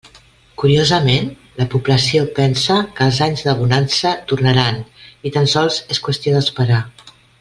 Curiosament, la població pensa que els anys de bonança tornaran i tan sols és qüestió d'esperar.